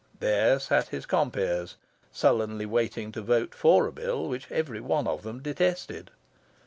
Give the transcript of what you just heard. There sat his compeers, sullenly waiting to vote for a bill which every one of them detested.